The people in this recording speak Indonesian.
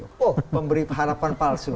oh memberi harapan palsu